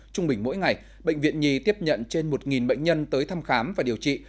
trung bình mỗi ngày bệnh viện nhi tiếp nhận trên một bệnh nhân tới thăm khám và điều trị